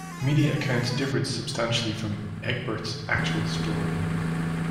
Media accounts differed substantially from Egbert's actual story.